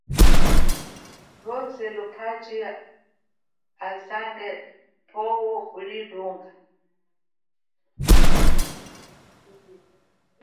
Nyi mwe lupachi yoze yatanga pwo, mba yamuneha kuli lunga.